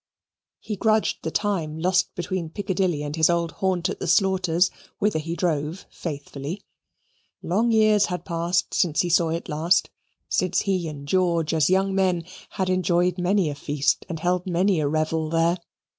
He grudged the time lost between Piccadilly and his old haunt at the Slaughters', whither he drove faithfully. Long years had passed since he saw it last, since he and George, as young men, had enjoyed many a feast, and held many a revel there.